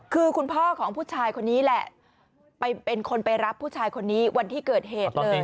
คือคุณพ่อของผู้ชายคนนี้แหละไปเป็นคนไปรับผู้ชายคนนี้วันที่เกิดเหตุเลย